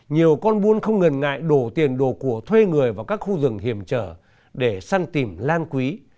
nhiều con buôn không ngần ngại đổ tiền đồ của thuê người vào các khu rừng hiểm trở để săn tìm lan quý